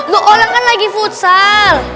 lu olah kan lagi pucal